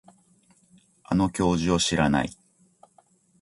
あの教授を知らない